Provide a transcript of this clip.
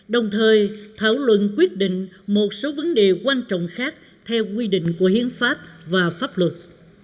đồng thời thảo luận quyết định một số vấn đề quan trọng khác theo quy định của hiến pháp và pháp luật